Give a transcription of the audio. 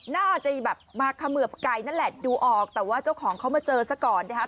น่าจะแบบมาเขมือบไก่นั่นแหละดูออกแต่ว่าเจ้าของเขามาเจอซะก่อนนะครับ